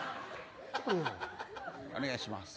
お願いします。